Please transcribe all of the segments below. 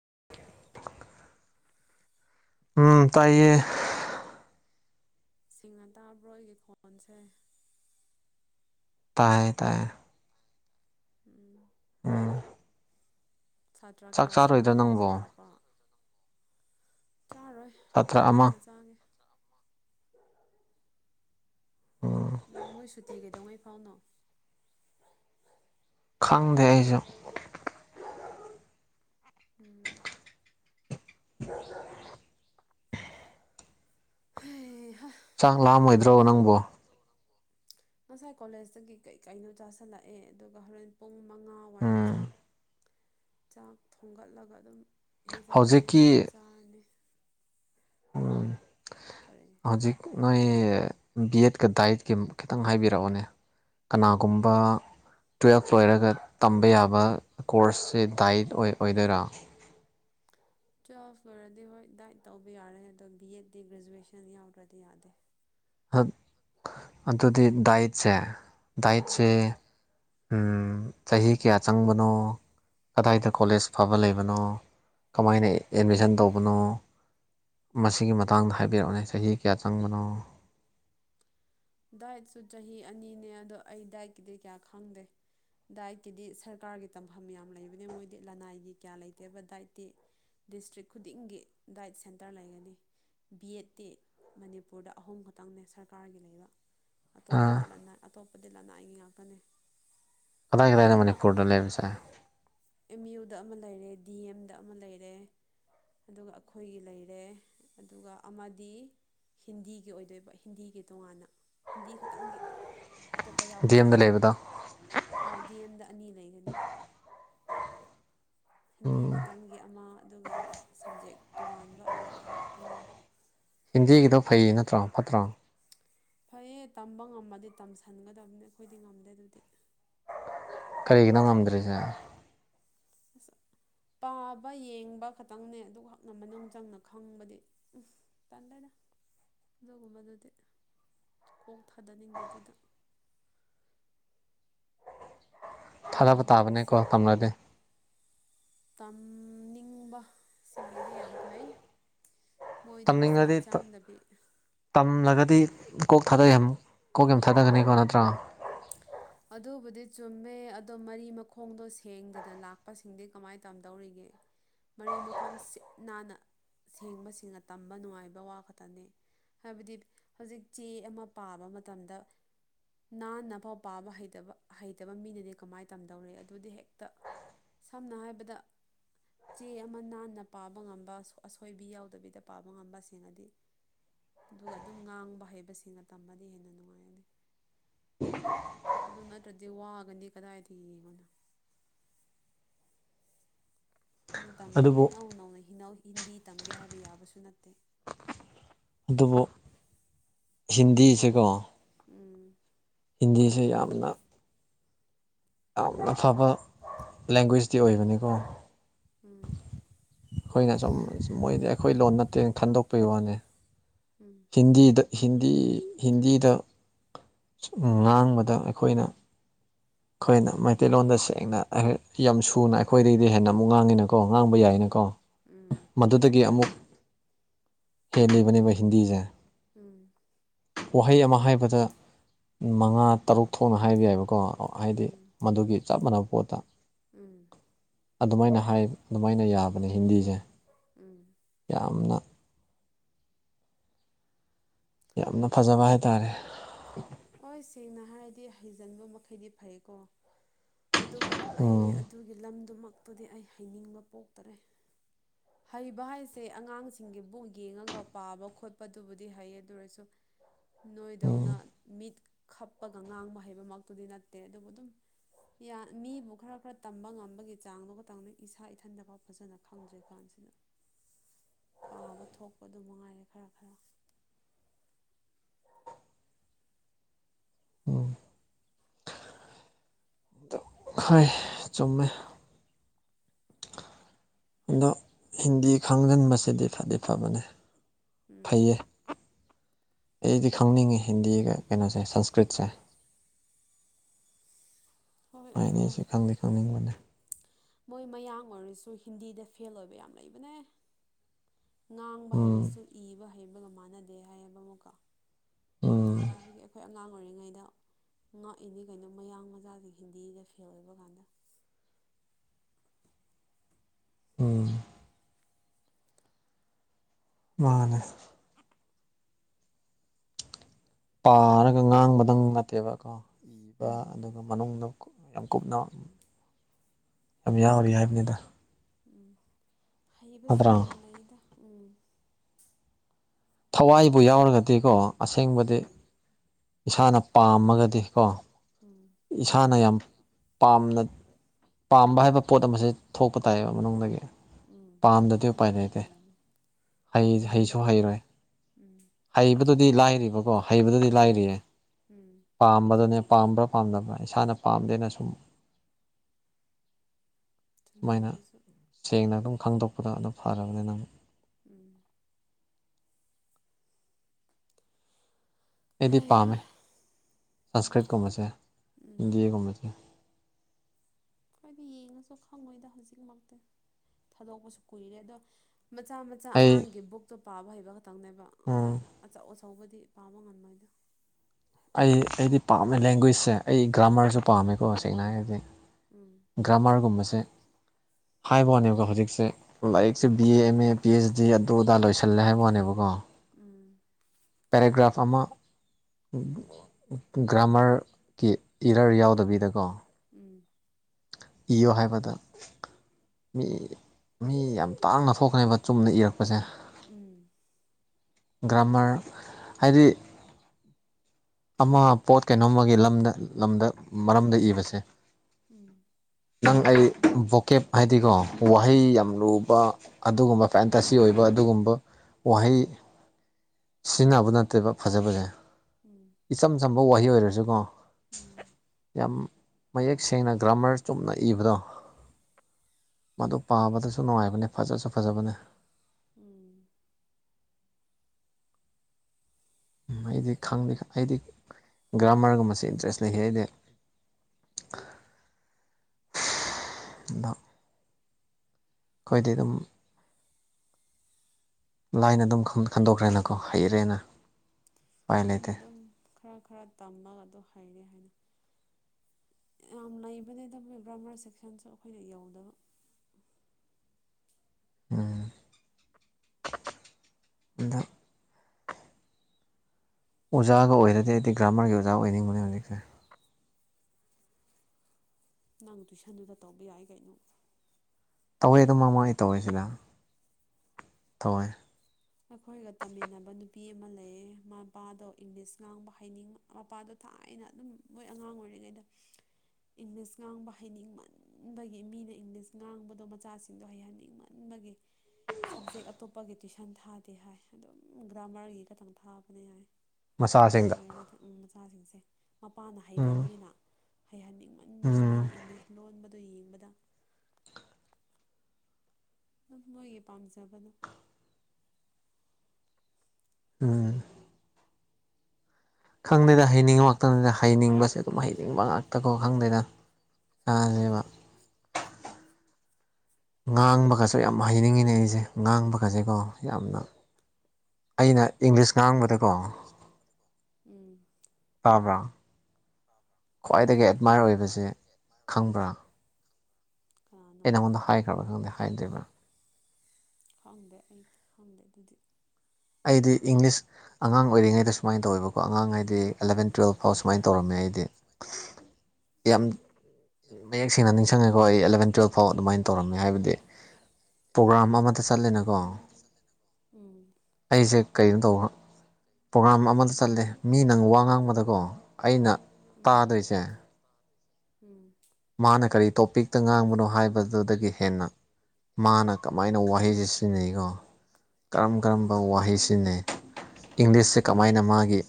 [inaudible] ꯎꯝ ꯇꯥꯏꯌꯦ ꯁꯦꯡꯅ ꯇꯥꯕ꯭ꯔꯣ ꯑꯩꯒꯤ ꯈꯣꯟꯁꯦ ꯇꯥꯏꯌꯦ ꯇꯥꯏꯌꯦ ꯎꯝ ꯎꯝ ꯁꯥꯇ꯭ꯔ ꯆꯥꯛ ꯀꯌꯥ ꯆꯥꯔꯣꯏꯗ꯭ꯔꯥ ꯁꯨꯔꯒꯦ ꯅꯪꯕꯣ ꯍꯧꯖꯤꯛ ꯂꯥꯛꯄ ꯆꯥꯔꯣꯏ ꯁꯥꯇ꯭ꯔ ꯍꯣꯔꯦꯟ ꯑꯃ ꯊꯦꯡꯅ ꯆꯥꯒꯦ ꯑꯣ ꯎꯝ ꯃꯣꯏ ꯁꯨꯇꯤ ꯀꯩꯗꯧꯉꯩ ꯐꯥꯎꯅꯣ ꯈꯪꯗꯦ ꯑꯩꯖꯨ ꯎꯝ [inaudible] ꯍꯩꯍꯥ ꯆꯥꯛ ꯂꯥꯝꯃꯣꯏꯗ꯭ꯔꯣ ꯅꯪꯕꯣ ꯗ꯭ꯔꯣ ꯅꯪꯕꯣ ꯉꯁꯥꯏ ꯀꯣꯂꯦꯖꯇꯒꯤ ꯀꯩ ꯀꯩꯅꯣ ꯆꯥꯥꯁꯜꯂꯛꯑꯦ ꯑꯗꯨꯒ ꯍꯣꯔꯦꯟ ꯄꯨꯡ ꯃꯉꯥ ꯋꯥꯏꯗ ꯎꯝ ꯆꯥꯛ ꯆꯥꯛ ꯊꯣꯡꯒꯠꯂꯒ ꯑꯗꯨꯝ ꯍꯤꯟꯖꯥꯡ ꯑꯔꯦꯝꯕꯒ ꯍꯧꯖꯤꯛꯀꯤ ꯆꯥꯔꯅꯤ ꯎꯝ ꯇꯥꯔꯦ ꯍꯧꯖꯤꯛ ꯅꯣꯏ ꯕꯦꯠꯀ ꯗꯥꯏꯠꯀꯤ ꯈꯤꯇꯪ ꯍꯥꯏꯕꯤꯔꯛꯑꯣꯅꯦ ꯀꯅꯥꯒꯨꯝꯕ ꯇꯨꯌꯦꯜꯐ ꯂꯣꯏꯔꯒ ꯇꯝꯕ ꯌꯥꯕ ꯀꯣꯔꯁꯁꯦ ꯗꯥꯏꯠ ꯑꯣꯏ ꯑꯣꯏꯗꯣꯏꯔꯣ [inaudible] ꯇꯨꯋꯦꯜꯐ ꯂꯣꯏꯔꯗꯤ ꯍꯣꯏ ꯗꯥꯏꯠ ꯇꯧꯕ ꯌꯥꯔꯦ ꯑꯗꯣ ꯕꯤꯑꯦꯠꯇꯤ ꯒ꯭ꯔꯦꯖꯨꯋꯦꯁꯟ ꯌꯥꯎꯗ꯭ꯔꯗꯤ ꯌꯥꯗꯦ ꯑꯞ ꯑꯗꯨꯗꯤ ꯗꯥꯏꯠꯁꯦ ꯗꯥꯏꯠꯁꯦ ꯎꯝ ꯎꯝ ꯆꯍꯤ ꯀꯌꯥ ꯆꯪꯕꯅꯣ ꯀꯗꯥꯏꯗ ꯀꯣꯂꯦꯖ ꯐꯕ ꯂꯩꯕꯅꯣ ꯀꯃꯥꯏꯅ ꯑꯦꯗꯃꯤꯁꯟ ꯇꯧꯕꯅꯣ ꯃꯁꯤꯒꯤ ꯃꯇꯥꯡꯗ ꯍꯥꯏꯕꯤꯔꯛꯑꯣꯅꯦ ꯆꯍꯤ ꯀꯌꯥ ꯆꯪꯕꯅꯣ ꯗꯥꯏꯠꯁꯨ ꯆꯍꯤ ꯑꯅꯤꯅꯦ ꯑꯗꯣ ꯑꯩ ꯗꯥꯏꯠꯀꯤꯗꯤ ꯀꯌꯥ ꯈꯪꯗꯦ ꯗꯥꯏꯠꯀꯤꯗꯤ ꯁꯔꯀꯥꯔꯒꯤ ꯇꯝꯐꯝ ꯌꯥꯝ ꯂꯩꯕꯅꯦ ꯃꯣꯏꯗꯤ ꯂꯅꯥꯏꯒꯤ ꯀꯌꯥ ꯂꯩꯇꯦꯕ ꯗꯥꯏꯠꯇꯤ ꯗꯤꯁꯇ꯭ꯔꯤꯛ ꯈꯨꯗꯤꯡꯒꯤ ꯗꯥꯏꯠ ꯁꯦꯟꯇꯔ ꯂꯩꯒꯅꯤ ꯕꯤꯑꯦꯠꯇꯤ ꯃꯅꯤꯄꯨꯔꯗ ꯑꯍꯨꯝ ꯈꯛꯇꯪꯅꯦ ꯁꯔꯀꯥꯔꯒꯤ ꯂꯩꯕ ꯑꯇꯣꯞꯄꯗꯤ ꯂꯅꯥꯏ ꯑꯇꯣꯞꯄꯗꯤ ꯂꯅꯥꯏꯒꯤ ꯉꯥꯛꯇꯅꯦ ꯀꯗꯥꯏ ꯀꯗꯥꯏꯗ ꯑꯅꯤꯃꯛ ꯃꯅꯤꯄꯨꯔꯗ ꯂꯩꯕꯁꯦ ꯑꯦꯝ ꯌꯨꯗ ꯑꯃ ꯂꯩꯔꯦ ꯗꯤ ꯑꯦꯝꯗ ꯑꯃ ꯂꯩꯔꯦ ꯑꯗꯨꯒ ꯑꯩꯈꯣꯏꯒꯤ ꯂꯩꯔꯦ ꯑꯗꯨꯒ ꯑꯃꯗꯤ ꯍꯤꯟꯗꯤꯒꯤ ꯑꯣꯏꯗꯣꯏꯕ ꯍꯤꯟꯗꯤꯒꯤ ꯇꯣꯉꯥꯟꯅ ꯍꯤꯟꯗꯤ ꯈꯛꯇꯪꯒꯤ ꯑꯇꯣꯞꯄ ꯌꯥꯎꯗꯕ ꯗꯤ ꯑꯦꯝꯗ ꯂꯩꯕꯗꯣ ꯑꯥꯎ ꯗꯤ ꯑꯦꯝꯗ ꯑꯅꯤ ꯂꯩꯒꯅꯤ ꯍꯤꯟꯗꯤ ꯎꯝ ꯈꯛꯇꯪꯒꯤ ꯑꯃ ꯑꯗꯨꯒ ꯁꯕꯖꯦꯛ ꯇꯣꯉꯥꯟꯕ ꯒꯤꯅ ꯑꯃ ꯍꯤꯟꯗꯤꯒꯤꯗꯣ ꯐꯩꯌꯦ ꯅꯠꯇ꯭ꯔꯣ ꯐꯠꯇ꯭ꯔꯣ ꯐꯩꯌꯦ ꯇꯝꯕ ꯉꯝꯃꯗꯤ ꯇꯝꯁꯟꯒꯗꯕꯅꯦ ꯑꯩꯈꯣꯏꯗꯤ ꯉꯝꯗꯦ ꯑꯗꯨꯗꯤ ꯀꯔꯤꯒꯤꯅꯣ ꯉꯝꯗ꯭ꯔꯤꯁꯦ ꯑꯁ ꯁꯥ ꯇꯥꯕ ꯌꯦꯡꯕ ꯈꯛꯇꯪꯅꯦ ꯑꯗꯨ ꯍꯛꯅ ꯃꯅꯨꯡ ꯆꯪꯅ ꯈꯪꯕꯗꯤ ꯎꯝꯁ ꯇꯟꯂꯦꯗ ꯑꯗꯨꯒꯨꯝꯕꯗꯨꯗꯤ ꯀꯣꯛ ꯊꯥꯗꯅꯤꯡꯗꯦ ꯑꯗꯨꯗ ꯊꯥꯗꯕ ꯇꯝꯍꯧꯕꯁꯤ ꯇꯥꯕꯅꯦꯀꯣ ꯇꯝꯂꯗꯤ ꯇꯝꯅꯤꯡꯕꯁꯤꯡꯒꯤꯗꯤ ꯌꯥꯝ ꯐꯩ ꯃꯣꯏꯗꯤ ꯄꯩꯁꯥ ꯇꯝꯅꯤꯡꯉꯗꯤ ꯇꯥ ꯆꯪꯗꯕꯤ ꯇꯝꯂꯒꯗꯤ ꯀꯣꯛ ꯊꯥꯗ ꯌꯥꯝ ꯀꯣꯛ ꯌꯥꯝ ꯊꯥꯗꯒꯅꯤꯀꯣ ꯅꯠꯇ꯭ꯔꯥꯥ ꯑꯗꯨꯕꯨꯗꯤ ꯆꯨꯝꯃꯦ ꯑꯗꯣ ꯃꯔꯤ ꯃꯈꯣꯡꯗꯣ ꯁꯦꯡꯗꯅ ꯂꯥꯛꯄꯁꯤꯡꯗꯤ ꯀꯃꯥꯏ ꯇꯝꯗꯧꯔꯤꯒꯦ ꯃꯔꯤ ꯃꯈꯣꯡ ꯁꯤꯠ ꯅꯥꯟꯅ ꯁꯦꯡꯕꯁꯤꯡꯅ ꯇꯝꯕ ꯅꯨꯡꯉꯥꯏꯕ ꯋꯥ ꯈꯛꯇꯅꯦ ꯍꯥꯏꯕꯗꯤ ꯍꯧꯖꯤꯛ ꯆꯦ ꯑꯃ ꯄꯥꯕ ꯃꯇꯝꯗ ꯅꯥꯟꯅ ꯐꯥꯎ ꯄꯥꯕ ꯍꯩꯇꯕ ꯍꯩꯇꯕ ꯃꯤꯗꯗꯤ ꯀꯃꯥꯏ ꯇꯝꯗꯧꯔꯤ ꯑꯗꯨꯗꯤ ꯍꯦꯛꯇ ꯁꯝꯅ ꯍꯥꯏꯕꯗ ꯆꯦ ꯑꯃ ꯅꯥꯟꯅ ꯄꯥꯕ ꯉꯝꯕ ꯑꯁꯣꯏ ꯑꯁꯣꯏꯕꯤ ꯌꯥꯎꯗꯕꯤꯗ ꯄꯥꯕ ꯉꯝꯕꯁꯤꯡꯅꯗꯤ ꯑꯗꯨꯒ ꯑꯗꯨꯝ ꯉꯥꯡꯕ ꯍꯩꯕꯁꯤꯅ ꯇꯝꯃꯗꯤ ꯍꯦꯟꯅ ꯅꯨꯡꯉꯥꯏꯒꯅꯤ [unintelligible] ꯑꯗꯨ ꯅꯠꯇ꯭ꯔꯗꯤ ꯋꯥꯒꯅꯤ ꯀꯗꯥꯏꯗꯒꯤ ꯌꯦꯡꯉꯣꯅꯥ ꯑꯗꯨ ꯇꯝꯃꯒ ꯑꯗꯨꯕꯨ ꯏꯅꯧ ꯅꯧꯅ ꯍꯤꯅꯧ ꯍꯤꯟꯗꯤ ꯇꯝꯒꯦ ꯍꯥꯏꯕ ꯌꯥꯕꯁꯨ ꯅꯠꯇꯦ ꯑꯗꯨꯕꯨ ꯍꯤꯟꯗꯤꯁꯦꯀꯣ ꯎꯝ ꯍꯤꯟꯗꯤꯁꯦ ꯌꯥꯝꯅ ꯌꯥꯝꯅ ꯐꯕ ꯂꯦꯡꯒꯣꯏꯁꯇꯤ ꯑꯣꯏꯕꯅꯤꯀꯣ꯫ ꯎꯝ ꯑꯩꯈꯣꯏꯅ ꯁꯨꯝ ꯃꯣꯏꯗꯤ ꯑꯩꯈꯣꯏ ꯂꯣꯟ ꯅꯠꯇꯦ ꯈꯟꯗꯣꯛꯄꯒꯤ ꯋꯥꯅꯦ ꯎꯝ ꯍꯤꯟꯗꯤꯗ ꯍꯤꯟꯗꯤ ꯍꯤꯟꯗꯤꯗ ꯉꯥꯡꯕꯗ ꯑꯩꯈꯣꯏꯅ ꯑꯩꯈꯣꯏꯅ ꯃꯥꯏ ꯃꯇꯩꯂꯣꯟꯗ ꯁꯦꯡꯅ ꯌꯥꯝ ꯁꯨꯅ ꯑꯩꯈꯣꯏꯗꯒꯤꯗꯤ ꯍꯦꯟꯅ ꯑꯃꯨꯛ ꯉꯥꯡꯉꯤꯅꯀꯣ ꯉꯥꯡꯕ ꯌꯥꯏꯅꯀꯣ꯫ ꯌꯥꯏꯅꯀꯣ ꯎꯝ ꯃꯗꯨꯗꯒꯤ ꯑꯃꯨꯛ ꯇꯦꯟꯂꯤꯕꯅꯦꯕ ꯍꯤꯟꯗꯤꯁꯦ꯫ ꯎꯝ ꯋꯥꯍꯩ ꯑꯃ ꯍꯥꯏꯕꯗ ꯃꯉꯥ ꯇꯔꯨꯛ ꯊꯣꯛꯅ ꯍꯥꯏꯕ ꯌꯥꯏꯕꯀꯣ ꯍꯥꯏꯗꯤ ꯎꯝ ꯃꯗꯨꯒꯤ ꯆꯞ ꯃꯥꯟꯅꯕ ꯄꯣꯠꯇ꯫ ꯎꯝ ꯑꯗꯨꯃꯥꯏꯅ ꯍꯥꯏ ꯑꯗꯨꯃꯥꯏꯅ ꯌꯥꯕꯅꯦ ꯍꯤꯟꯗꯤꯁꯦ꯫ ꯎꯝ ꯌꯥꯝꯅ ꯌꯥꯝꯅ ꯐꯖꯕ ꯍꯥꯏꯇꯥꯔꯦ꯫ ꯍꯣꯏ ꯁꯦꯡꯅ ꯍꯥꯏꯔꯗꯤ ꯍꯩꯖꯤꯟꯕ ꯃꯈꯩꯗꯤ ꯐꯩꯀꯣ꯫ ꯑꯗꯨꯕꯨ ꯑꯩ ꯎꯝ ꯑꯗꯨꯒꯤ ꯂꯝꯗꯨꯃꯛꯇꯨꯗꯤ ꯑꯩ ꯍꯩꯅꯤꯡꯕ ꯄꯣꯛꯇꯔꯦ꯫ [inaudible] ꯍꯩꯕ ꯍꯥꯏꯁꯦ ꯑꯉꯥꯡꯁꯤꯡꯒꯤ ꯕꯨꯡ ꯌꯦꯡꯉꯒ ꯄꯥꯕ ꯈꯣꯠꯄꯗꯨꯕꯨꯗꯤ ꯍꯩꯌꯦ ꯑꯗꯨ ꯑꯣꯏꯔꯁꯨ ꯅꯣꯏꯗꯧꯅ ꯎꯝ ꯃꯤꯠ ꯈꯞꯄꯒ ꯉꯥꯡꯕ ꯍꯩꯕꯃꯛꯇꯨꯗꯤ ꯅꯠꯇꯦ ꯑꯗꯨꯕꯨ ꯑꯗꯨꯝ ꯌꯥ ꯃꯤꯕꯨ ꯈꯔ ꯈꯔ ꯇꯝꯕ ꯉꯝꯕꯒꯤ ꯆꯥꯡꯗꯨ ꯈꯇꯪꯅꯤ ꯏꯁꯥ ꯏꯊꯟꯇ ꯐꯥꯎ ꯐꯖꯅ ꯈꯪꯗ꯭ꯔꯤ ꯀꯥꯟꯁꯤꯗ ꯄꯥꯕ ꯊꯣꯛꯄꯗꯨ ꯃꯉꯥꯏꯔꯦ ꯈꯔ ꯈꯔ ꯎꯝ ꯍꯣꯏ ꯆꯨꯝꯃꯦ꯫ ꯑꯗꯣ ꯍꯤꯟꯗꯤ ꯈꯪꯖꯟꯕꯁꯤꯗꯤ ꯐꯗꯤ ꯐꯕꯅꯦ꯫ ꯎꯝ ꯐꯩꯌꯦ ꯑꯩꯗꯤ ꯈꯪꯅꯤꯡꯉꯦ ꯍꯤꯟꯗꯤꯒ ꯀꯩꯅꯣꯁꯦ ꯁꯪꯁꯀ꯭ꯔꯤꯠꯁꯦ꯫ ꯍꯣꯏ ꯑꯗꯣ ꯃꯣꯢꯅꯤꯁꯦ ꯈꯪꯗꯤ ꯈꯪꯅꯤꯡꯕꯅꯦ꯫ ꯃꯣꯏ ꯃꯌꯥꯡ ꯑꯣꯏꯔꯁꯨ ꯍꯤꯟꯗꯤꯗ ꯐꯦꯜ ꯑꯣꯏꯕ ꯌꯥꯝ ꯂꯩꯕꯅꯦ꯫ ꯉꯥꯡꯕ ꯎꯝ ꯍꯩꯔꯁꯨ ꯏꯕ ꯍꯩꯕꯒ ꯃꯥꯟꯅꯗꯦ ꯍꯥꯏꯌꯦꯕ ꯑꯃꯨꯛꯀ ꯎꯝ ꯗꯨ ꯑꯣꯏꯕꯒꯤ ꯑꯩꯈꯣꯏ ꯑꯉꯥꯡ ꯑꯣꯏꯔꯤꯉꯩꯗ ꯉꯛꯢꯅꯤ ꯀꯩꯅꯣ ꯃꯌꯥꯡ ꯃꯆꯥꯁꯤꯡ ꯍꯤꯟꯗꯤꯗ ꯐꯦꯜ ꯑꯣꯏꯕ ꯀꯥꯟꯗ꯫ ꯎꯝ ꯃꯥꯅꯦ ꯄꯥꯔꯒ ꯉꯥꯡꯕꯗꯪ ꯅꯠꯇꯦꯕ ꯀꯣ ꯏꯕ ꯎꯝ ꯑꯗꯨꯝ ꯃꯅꯨꯡꯗꯣ ꯌꯥꯝ ꯀꯨꯞꯅ ꯌꯥꯝ ꯌꯥꯎꯔꯤ ꯍꯥꯏꯕꯅꯤꯗ꯫ ꯎꯝ ꯍꯩꯕꯁꯨ ꯅꯠꯇ꯭ꯔꯥ ꯌꯥꯝ ꯂꯩꯗ ꯎꯝ꯫ ꯊꯋꯥꯏꯕꯨ ꯌꯥꯎꯔꯒꯗꯤꯀꯣ ꯑꯁꯦꯡꯕꯗꯤ ꯏꯁꯥꯅ ꯄꯥꯝꯃꯒꯗꯤ ꯀꯣ ꯎꯝ ꯏꯁꯥꯅ ꯌꯥꯝ ꯄꯥꯝꯅ ꯄꯥꯝ ꯄꯥꯝꯕ ꯍꯥꯏꯕ ꯄꯣꯠ ꯑꯃꯁꯦ ꯊꯣꯛꯄ ꯇꯥꯏꯌꯦꯕ ꯃꯅꯨꯡꯗꯒꯤ ꯎꯝ ꯄꯥꯝꯗꯗꯤ ꯎꯄꯥꯏ ꯑꯗꯨꯕꯨꯗꯤ ꯂꯩꯇꯦ꯫ ꯆꯨꯝꯃꯦ ꯍꯩ ꯆꯨꯝꯃꯦ ꯍꯩꯁꯨ ꯍꯩꯔꯣꯏ ꯎꯝ ꯍꯩꯕꯗꯨꯗꯤ ꯂꯥꯏꯔꯤꯕꯀꯣ ꯍꯩꯕꯗꯨꯗꯤ ꯎꯝ ꯂꯥꯏꯔꯤꯌꯦ꯫ ꯎꯝ ꯄꯥꯝꯕꯗꯨꯅꯦ ꯄꯥꯝꯕ꯭ꯔꯥ ꯄꯥꯝꯗꯕ꯭ꯔꯥ ꯏꯁꯥꯅ ꯄꯥꯝꯗꯦꯅ ꯁꯨꯝ ꯆꯨꯝꯃꯦ ꯁꯨꯃꯥꯏꯅ ꯑꯗꯨꯁꯨ ꯁꯦꯡꯅ ꯑꯗꯨꯝ ꯈꯪꯗꯣꯛꯄꯗ ꯑꯗꯨ ꯐꯔꯕꯅꯦ ꯅꯪ ꯎꯝ ꯑꯩꯗꯤ ꯍꯩꯍꯥ ꯄꯥꯝꯃꯦ ꯁꯪꯁꯀ꯭ꯔꯤꯠꯀꯨꯝꯕꯁꯦ ꯎꯝ ꯍꯤꯟꯗꯤꯒꯨꯝꯕꯖꯦ ꯈꯣꯏꯗꯤ ꯌꯦꯡꯉꯁꯨ ꯈꯪꯉꯣꯏꯗ ꯍꯧꯖꯤꯛꯃꯛꯇꯤ ꯊꯥꯗꯣꯛꯄꯁꯨ ꯀꯨꯏꯔꯦ ꯑꯗꯣ ꯃꯆꯥ ꯃ ꯆꯥ ꯑꯩ ꯑꯉꯥꯡꯒꯤ ꯕꯨꯛꯇꯣ ꯄꯥꯕ ꯍꯩꯕ ꯈꯇꯪꯅꯦꯕ ꯑꯗꯣ ꯎꯝ ꯑꯆꯧ ꯑꯆꯧꯕꯗꯤ ꯄꯥꯕ ꯉꯝꯃꯣꯏꯗ ꯑꯩ ꯑꯩꯗꯤ ꯄꯥꯝꯃꯦ ꯂꯦꯡꯒꯣꯢꯖꯁꯦ ꯑꯩ ꯒ꯭ꯔꯥꯃꯔꯁꯨ ꯄꯥꯝꯃꯦꯀꯣ ꯁꯦꯡꯅ ꯍꯥꯏꯔꯒꯗꯤ ꯎꯝ ꯒ꯭ꯔꯥꯃꯔꯒꯨꯝꯕꯁꯦ ꯍꯥꯏꯕ ꯋꯥꯅꯦꯕ ꯍꯧꯖꯤꯛꯁꯦ ꯂꯥꯏꯔꯤꯛꯁꯦ B A M A P H D ꯑꯗꯨ ꯑꯗꯥ ꯂꯣꯏꯁꯜꯂꯦ ꯍꯥꯏꯕ ꯋꯥꯅꯦꯕꯀꯣ ꯎꯝ ꯄꯦꯔꯦꯒ꯭ꯔꯥꯐ ꯑꯃ ꯎꯝ ꯒ꯭ꯔꯥꯃꯔꯒꯤ ꯏꯔꯔ ꯌꯥꯎꯗꯕꯤꯗꯀꯣ ꯎꯝ ꯏꯌꯣ ꯍꯥꯏꯕꯗ ꯃꯤ ꯃꯤ ꯄꯥꯝꯅ ꯊꯣꯛꯀꯅꯦꯕ ꯆꯨꯝꯅ ꯏꯔꯛꯄꯁꯦ ꯎꯝ ꯌꯥꯝ ꯇꯥꯡꯅ ꯊꯣꯛ ꯊꯣꯏꯕ ꯆꯨꯝꯅ ꯏꯔꯛꯄꯁꯦ ꯒ꯭ꯔꯥꯝꯃꯔ ꯍꯥꯏꯗꯤ ꯑꯃ ꯄꯣꯠ ꯀꯩꯅꯣꯝꯃꯒꯤ ꯂꯝꯗ ꯂꯝꯗ ꯃꯔꯝꯗ ꯏꯕꯁꯦ ꯎꯝ ꯅꯪ ꯑꯩ ꯕꯣꯀꯦꯞ ꯍꯥꯏꯗꯤꯀꯣ ꯎꯝ ꯋꯥꯍꯩ ꯌꯥꯝ ꯂꯨꯕ ꯑꯗꯨꯒꯨꯝꯕ ꯐꯦꯟꯇꯥꯁꯤ ꯑꯣꯏꯕ ꯑꯗꯨꯒꯨꯝꯕ ꯋꯥꯍꯩ ꯁꯤꯟꯅꯕ ꯅꯠꯇꯦꯕ ꯐꯖꯕꯖꯦ ꯎꯝ ꯏꯆꯝ ꯆꯝꯕ ꯋꯥꯍꯩ ꯑꯣꯏꯔꯁꯨꯀꯣ ꯎꯝ ꯌꯥꯝ ꯃꯌꯦꯛ ꯁꯦꯡꯅ ꯒ꯭ꯔꯥꯝꯃꯔ ꯆꯨꯝꯅ ꯏꯕꯗꯣ ꯃꯗꯣ ꯄꯥꯕꯗꯁꯨ ꯅꯨꯡꯉꯥꯏꯕꯅꯦ ꯐꯖꯁꯨ ꯐꯖꯕꯅꯦ ꯎꯝ ꯎꯝ ꯑꯩꯗꯤ ꯈꯪꯗꯦ ꯑꯩꯗꯤ ꯒ꯭ꯔꯥꯃꯔꯒꯨꯝꯕꯁꯦ ꯏꯟꯇ꯭ꯔꯦꯁ ꯂꯩꯌꯦ ꯑꯩꯗꯤ ꯈꯣꯏꯗꯤ ꯗꯨꯝ ꯂꯥꯏꯅ ꯑꯗꯨꯝ ꯈꯪ ꯈꯟꯗꯣꯛꯈ꯭ꯔꯦꯅꯀꯣ ꯍꯩꯔꯦꯅ ꯎꯄꯥꯏ ꯂꯩꯇꯦ ꯍꯣꯏꯅꯦ ꯗꯨꯝ ꯈꯔ ꯈꯔ ꯇꯝꯃꯒ ꯑꯗꯨ ꯍꯩꯔꯦ ꯍꯥꯏꯅ ꯌꯥꯝ ꯂꯩꯕꯌꯦꯗ ꯃꯨ ꯒ꯭ꯔꯥꯃꯔ ꯁꯦꯛꯁꯟꯁꯨ ꯑꯩꯈꯣꯏꯅ ꯌꯧꯗꯕ ꯎꯝ [unintelligible] ꯑꯣꯖꯥꯒ ꯑꯣꯏꯔꯗꯤ ꯍꯥꯏꯗꯤ ꯒ꯭ꯔꯥꯃꯔꯒꯤ ꯑꯣꯖꯥ ꯑꯣꯏꯅꯤꯡꯕꯅꯦ ꯍꯧꯖꯤꯛꯁꯦ ꯅꯪ ꯇꯨꯏꯁꯟꯗꯨꯗ ꯇꯧꯕ ꯌꯥꯏ ꯀꯩꯅꯣ ꯇꯧꯋꯦ ꯑꯗꯨꯝ ꯃꯃꯛ ꯑꯩ ꯇꯧꯋꯦꯁꯤꯗ ꯊꯋꯥꯏ ꯑꯩꯈꯣꯏꯒ ꯇꯝꯃꯤꯟꯅꯕ ꯅꯨꯄꯤ ꯑꯃꯥ ꯂꯩꯌꯦ ꯃꯄꯥꯗꯣ ꯏꯪꯂꯤꯁ ꯉꯥꯡꯕ ꯍꯥꯏꯅꯤꯡ ꯃꯄꯥꯗꯣ ꯊꯥꯏꯅ ꯑꯗꯨꯝ ꯃꯣꯏ ꯑꯉꯥꯡ ꯑꯣꯏꯔꯤꯉꯩꯗ ꯏꯪꯂꯤꯁ ꯉꯥꯡꯕ ꯍꯩꯅꯤꯡꯃꯟ ꯕꯒꯤ ꯃꯤꯅ ꯏꯪꯂꯤꯁ ꯉꯥꯡꯕꯗꯣ ꯃꯆꯥꯁꯤꯡꯗꯣ ꯍꯩꯍꯟꯅꯤꯡꯃꯟꯕꯒꯤ ꯁꯕꯖꯦꯛ ꯑꯇꯣꯞꯄꯒꯤ ꯇꯨꯏꯁꯟ ꯊꯥꯗꯦ ꯍꯥꯏ ꯑꯗꯨꯝ ꯒ꯭ꯔꯥꯃꯔꯒꯤ ꯈꯇꯪ ꯊꯥꯕꯅꯦ ꯍꯥꯏ ꯑꯉꯥꯡ ꯃꯆꯥꯁꯤꯡꯗ ꯑꯣꯏꯔꯤꯉꯩꯗ ꯎꯝ ꯃꯆꯥꯁꯤꯡꯁꯦ ꯃꯄꯥꯥꯅ ꯎꯝ ꯍꯩꯇꯕꯅꯤꯅ ꯍꯩꯍꯟꯅꯤꯡꯃꯟ ꯕꯒꯤ ꯎꯝ ꯃꯤꯅ ꯏꯪꯂꯤꯁ ꯂꯣꯟꯕꯗꯣ ꯌꯦꯡꯕꯗ ꯗꯨꯝ ꯃꯣꯏꯒꯤ ꯄꯥꯝꯖꯕꯅꯦ ꯎꯝ ꯈꯪꯗꯦꯗ ꯍꯩꯅꯤꯡꯉ ꯋꯛꯀꯜꯖꯦ ꯍꯩꯅꯤꯡꯕꯁꯦ ꯑꯗꯨꯝ ꯍꯩꯅꯤꯡꯕ ꯉꯥꯛꯇꯀꯣ ꯈꯪꯗꯦꯗ ꯎꯝ ꯇꯥꯏꯌꯦꯕ ꯉꯥꯡꯕꯒꯁꯨ ꯌꯥꯝ ꯍꯩꯅꯤꯡꯉꯤꯅꯦ ꯑꯩꯖꯦ ꯉꯥꯡꯕꯒꯖꯦꯀꯣ ꯌꯥꯝꯅ ꯑꯩꯅ ꯏꯪꯂꯤꯁ ꯑꯩꯅ ꯉꯥꯡꯕꯗꯀꯣ ꯏꯪꯂꯤꯁ ꯉꯥꯡꯕꯗꯀꯣ ꯎꯝ ꯇꯥꯕ꯭ꯔꯣ ꯇꯥꯏ ꯈ꯭ꯋꯥꯏꯗꯒꯤ ꯇꯥꯏ ꯑꯦꯠꯃꯥꯏꯌꯔ ꯑꯣꯏꯕꯁꯦ ꯈꯪꯕ꯭ꯔꯥ ꯀꯅꯥꯅꯣ ꯑꯩꯩ ꯅꯉꯣꯟꯗ ꯍꯥꯏꯈ꯭ꯔꯕ ꯈꯪꯗꯦ ꯍꯥꯏꯗ꯭ꯔꯤꯕ ꯈꯪꯗꯦ ꯑꯩ ꯈꯪꯗꯦ ꯑꯗꯨꯗꯤ ꯑꯩꯗꯤ ꯏꯪꯂꯤꯁ ꯑꯉꯥꯡ ꯑꯣꯏꯔꯤꯉꯩꯗ ꯁꯨꯃꯥꯏꯟ ꯇꯧꯋꯦꯕꯀꯣ ꯑꯉꯥꯡ ꯍꯥꯏꯗꯤ ꯑꯦꯂꯕꯦꯟ ꯇꯨꯌꯦꯜꯞ ꯐꯥꯎ ꯁꯨꯃꯥꯏ ꯇꯧꯔꯝꯃꯦ ꯑꯩꯗꯤ ꯌꯥꯝ ꯃꯌꯦꯛ ꯁꯦꯡꯅ ꯅꯤꯡꯁꯪꯉꯦꯀꯣ ꯑꯩ ꯑꯦꯂꯕꯦꯟ ꯇꯨꯌꯦꯜꯞ ꯐꯥꯎ ꯑꯗꯨꯃꯥꯏꯟ ꯇꯧꯔꯝꯃꯦ ꯍꯥꯏꯕꯗꯤ ꯄ꯭ꯔꯣꯒ꯭ꯔꯥꯝ ꯑꯃꯗ ꯆꯠꯂꯦꯅꯀꯣ ꯆꯠꯂꯦꯅꯀꯣ ꯎꯝ ꯑꯩꯖꯦ ꯀꯩꯅꯣ ꯇꯧꯕ [unintelligible] ꯄ꯭ꯔꯣꯒ꯭ꯔꯥꯝ ꯑꯃꯗ ꯆꯠꯂꯦ ꯃꯤꯅꯪ ꯋꯥ ꯉꯥꯡꯕꯗꯀꯣ ꯑꯩꯅ ꯎꯝ ꯇꯥꯗꯣꯏꯁꯦ ꯑꯩꯅ [unintelligible] ꯎꯝ ꯃꯥꯅ ꯀꯔꯤ ꯇꯣꯄꯤꯛꯇ ꯉꯥꯡꯕꯅꯣ ꯍꯥꯏꯕꯗꯨꯗꯒꯤ ꯍꯦꯟꯅ ꯃꯥꯅ ꯀꯃꯥꯏꯅ ꯋꯥꯍꯩꯖꯦ ꯁꯤꯖꯤꯟꯅꯩꯒꯣ ꯀꯔꯝ ꯀꯔꯝꯕ ꯎꯝ ꯋꯥꯍꯩ ꯁꯤꯖꯤꯟꯅꯩ ꯏꯪꯂꯤꯁꯁꯦ ꯀꯃꯥꯏꯅ ꯃꯥꯒꯤ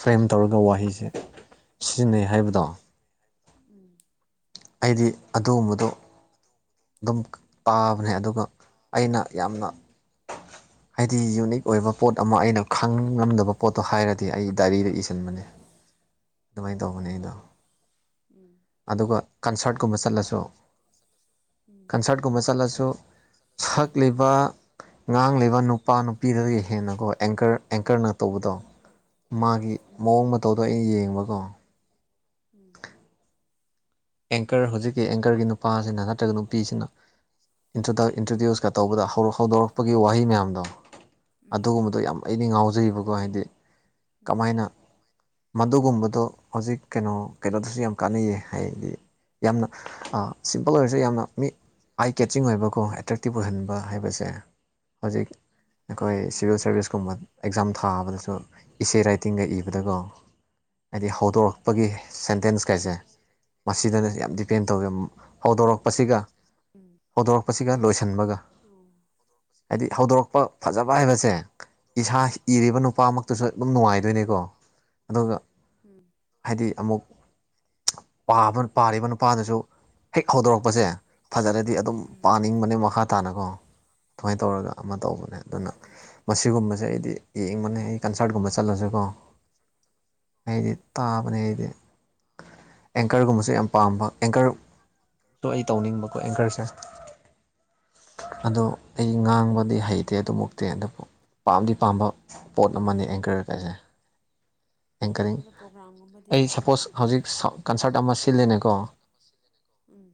ꯐ꯭ꯔꯦꯝ ꯇꯧꯔꯒ ꯋꯥꯍꯩꯁꯦ ꯁꯤꯖꯤꯟꯅꯩ ꯍꯥꯏꯕꯗꯣ ꯎꯝ ꯑꯩꯗꯤ ꯑꯗꯨꯒꯨꯝꯕꯗꯣ ꯑꯗꯨꯝ ꯇꯥꯕꯅꯦ ꯑꯗꯨꯒ ꯄꯥ ꯑꯩꯅ ꯌꯥꯝꯅ ꯍꯥꯏꯗꯤ ꯌꯨꯅꯤꯛ ꯑꯣꯏꯕ ꯄꯣꯠ ꯑꯃ ꯑꯩꯅ ꯈꯪ ꯉꯝꯗꯕ ꯄꯣꯠꯇꯣ ꯍꯥꯏꯔꯗꯤ ꯑꯩ ꯗꯥꯏꯔꯤꯗ ꯏꯁꯟꯕꯅꯦ ꯗꯨꯃꯥꯏꯟ ꯇꯧꯕꯅꯦ ꯑꯣ ꯑꯩꯗꯣ ꯎꯝ ꯑꯗꯨꯒ ꯀꯟꯁ꯭ꯔꯠ ꯀꯨꯝꯕ ꯆꯠꯂ ꯀꯟꯁ꯭ꯔꯠ ꯀꯨꯝꯕ ꯆꯠꯂꯁꯨ ꯎꯝ ꯆꯠꯂꯁꯨ ꯀꯟꯁ꯭ꯔꯠ ꯀꯨꯝꯕ ꯆꯠꯂꯁꯨ ꯁꯛꯂꯤꯕ ꯁꯛꯂꯤ ꯉꯥꯡꯂꯤꯕ ꯅꯨꯄꯥ ꯅꯨꯄꯤꯗꯒꯤ ꯍꯦꯟꯅꯀꯣ ꯑꯦꯡꯀ꯭ꯔ ꯑꯦꯡꯀ꯭ꯔꯅ ꯇꯧꯕꯗꯣ ꯃꯥꯒꯤ ꯎꯝ ꯃꯑꯣꯡ ꯃꯇꯧꯗꯣ ꯑꯩ ꯌꯦꯡꯕꯀꯣ ꯎꯝ ꯑꯦꯡꯀ꯭ꯔ ꯍꯧꯖꯤꯛꯀꯤ ꯑꯦꯡꯀ꯭ꯔꯒꯤ ꯅꯨꯄꯥꯖꯣꯅ ꯅꯠꯇ꯭ꯔꯒ ꯅꯨꯄꯤꯖꯤꯅ ꯏꯟꯇ꯭ꯔꯣꯗꯛ ꯏꯟꯇ꯭ꯔꯣꯗ꯭ꯌꯨꯁꯀ ꯇꯧꯕꯗ ꯍꯧ ꯍꯧꯗꯣꯔꯛꯄꯒꯤ ꯋꯥꯍꯩ ꯃꯌꯥꯝꯗꯣ ꯎꯝ ꯎꯝ ꯑꯗꯨꯒꯨꯝꯕꯗꯣ ꯌꯥꯝ ꯑꯩꯗꯤ ꯉꯥꯎꯖꯩꯌꯦꯕꯀꯣ ꯍꯥꯏꯗꯤ ꯎꯝ ꯎꯝ ꯀꯃꯥꯏꯅ ꯃꯗꯨꯒꯨꯝꯕꯗꯣ ꯍꯧꯖꯤꯛ ꯀꯩꯅꯣ ꯀꯩꯅꯣꯗꯁꯨ ꯌꯥꯝ ꯀꯥꯟꯅꯩꯌꯦ ꯍꯥꯏꯗꯤ ꯌꯥꯝꯅ ꯑꯥ ꯁꯤꯝꯄꯜ ꯑꯣꯏꯔꯁꯨ ꯌꯥꯝꯅ ꯃꯤ ꯑꯥꯏ ꯀꯦꯠꯆꯤꯡ ꯑꯣꯏꯕꯀꯣ ꯑꯦꯇ꯭ꯔꯦꯛꯇꯤꯞ ꯑꯣꯏꯍꯟꯕ ꯍꯥꯏꯕꯁꯦ ꯍꯧꯖꯤꯛ ꯑꯩꯈꯣꯏ ꯁꯤꯚꯤꯜ ꯁꯔꯚꯤꯁꯀꯨꯝꯕ ꯑꯦꯛꯖꯥꯝ ꯊꯥꯕꯗꯁꯨ ꯏꯁꯦ ꯔꯥꯏꯇꯤꯡꯒ ꯏꯕꯗꯀꯣ ꯍꯥꯏꯗꯤ ꯍꯧꯗꯣꯔꯛꯄꯒꯤ ꯁꯦꯟꯇꯦꯟꯁ ꯀꯥꯢꯁꯦ ꯏꯁꯦ ꯔꯥꯢꯇꯤꯡ ꯃꯁꯤꯗꯅ ꯌꯥꯝ ꯗꯤꯄꯦꯟ ꯇꯧꯋꯦ ꯃ ꯍꯧꯗꯣꯔꯛꯄꯁꯤꯒ ꯎꯝ ꯍꯧꯗꯣꯔꯛꯄꯁꯤꯒ ꯂꯣꯏꯁꯟꯕꯒ ꯑꯣ ꯍꯥꯏꯗꯤ ꯍꯧꯗꯣꯔꯛꯄ ꯐꯖꯕ ꯑꯆꯥ ꯍꯥꯏꯕꯁꯦ ꯏꯁꯥ ꯏꯔꯤꯕ ꯅꯨꯄꯥꯃꯛꯇꯁꯨ ꯎꯝ ꯑꯗꯨꯝ ꯅꯨꯡꯉꯥꯏꯗꯨꯏꯅꯦꯀꯣ [unintelligible] ꯎꯝ ꯍꯥꯏꯗꯤ ꯑꯃꯨꯛ ꯄꯥꯕ ꯄꯥꯔꯤꯕ ꯅꯨꯄꯥꯗꯁꯨ ꯍꯦꯛ ꯍꯧꯗꯣꯔꯛꯄꯁꯦ ꯐꯖꯔꯗꯤ ꯑꯗꯨꯝ ꯎꯝ ꯄꯥꯅꯤꯡꯕꯅꯦ ꯃꯈꯥ ꯇꯥꯅꯀꯣ ꯑꯗꯨꯃꯥꯏꯅ ꯇꯧꯔꯒ ꯑꯃ ꯇꯧꯕꯅꯦ ꯑꯗꯨꯅ ꯃꯁꯤꯒꯨꯝꯕꯁꯦ ꯑꯩꯗꯤ ꯌꯦꯡꯕꯅꯦ ꯑꯩ ꯀꯟꯁ꯭ꯔꯠ ꯀꯨꯝꯕ ꯆꯠꯂꯁꯨꯀꯣ ꯑꯩꯗꯤ ꯎꯝ ꯇꯥꯕꯅꯦ ꯑꯩꯗꯤ ꯑꯦꯡꯀꯔꯒꯨꯝꯕꯁꯨ ꯌꯥꯝ ꯄꯥꯝꯕ ꯑꯦꯡꯀꯔ ꯇꯣ ꯑꯩ ꯇꯧꯅꯤꯡꯕꯀꯣ ꯑꯦꯡꯀꯔꯁꯦ ꯑꯗꯣ ꯑꯩ ꯉꯥꯡꯕꯗꯤ ꯍꯩ ꯇꯦ ꯎꯝ ꯑꯗꯨꯃꯨꯛꯇꯤ ꯑꯗꯨꯕꯨ ꯄꯥꯝꯗꯤ ꯄꯥꯝꯕ ꯄꯣꯠ ꯑꯃꯅꯦ ꯑꯦꯡꯀꯔꯒꯁꯦ ꯑꯗꯣ ꯄꯣꯒ꯭ꯔꯥꯝꯒꯨꯝꯕꯗꯤ ꯑꯩ ꯁꯄꯣꯁ ꯄꯥꯏꯔꯛꯇ꯭ꯔꯣ ꯍꯧꯖꯤꯛ ꯑꯩ ꯁꯞꯄꯣꯁ ꯀꯟꯁꯔꯠ ꯑꯃ ꯍꯧꯖꯤꯛ ꯁꯞ ꯁꯤꯜꯂꯦꯅꯦꯀꯣ ꯀꯟꯁ꯭ꯔꯠ ꯑꯝ ꯁꯤꯜꯂꯤꯅꯦꯀꯣ ꯎꯝ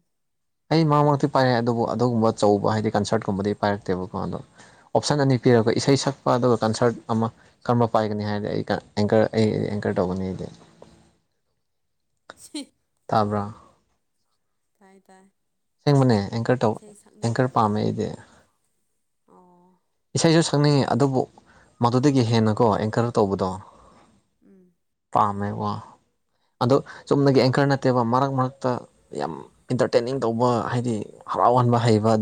ꯑꯩ ꯃꯥꯃ ꯇꯤ ꯄꯥꯏꯔꯛꯑꯦ ꯑꯗꯨꯕꯨ ꯑꯗꯨꯒꯨꯝꯕ ꯑꯆꯧꯕ ꯍꯥꯏꯗꯤ ꯀꯟꯁ꯭ꯔꯠꯀꯨꯝꯕꯗꯤ ꯄꯥꯏꯔꯛꯇꯦꯕꯀꯣ ꯑꯗꯣ ꯑꯣꯞꯁꯟ ꯑꯅꯤ ꯎꯝ ꯄꯤꯔꯕ ꯏꯁꯩ ꯁꯛ ꯄꯥꯗꯣ ꯀꯟꯁ꯭ꯔꯠ ꯑꯃ ꯀꯔꯝꯕ ꯄꯥꯏꯒꯅꯤ ꯍꯥꯏꯔꯗꯤ ꯑꯩꯒ ꯑꯦꯡꯀꯔ ꯑꯩ ꯑꯦꯡꯀꯔ ꯇꯧꯒꯅꯤ ꯑꯩꯗꯤ [unintelligible] ꯍꯤ ꯇꯥꯕ꯭ꯔꯥ ꯇꯥꯏ ꯇꯥꯏ ꯥꯁꯦꯡꯕꯅꯦ ꯑꯦꯡꯀꯔ ꯇꯧ ꯏꯁꯩ ꯑꯦꯡꯀꯔ ꯁꯛꯅꯤꯡꯗ꯭ꯔꯕ ꯄꯥꯝꯃꯦ ꯑꯩꯗꯤ ꯑꯣ ꯏꯁꯩꯁꯨ ꯁꯛꯅꯤꯡꯉꯦ ꯑꯗꯨꯕꯨ ꯃꯗꯨꯗꯒꯤ ꯍꯦꯟꯅꯀꯣ ꯑꯦꯡꯀꯔ ꯇꯧꯕꯗꯣ ꯎꯝ ꯄꯥꯝꯃꯦ ꯋꯥ ꯑꯗꯣ ꯆꯨꯝꯅꯗꯒꯤ ꯑꯦꯡꯀꯔꯅ ꯅꯠꯇꯦꯕ ꯃꯔꯛ ꯃꯔꯛꯇ ꯌꯥꯝ ꯏꯟꯇꯔꯇꯦꯟꯅꯤꯡ ꯇꯧꯕ ꯍꯥꯏꯗꯤ ꯍꯔꯥꯎꯍꯟꯕ ꯍꯩꯕ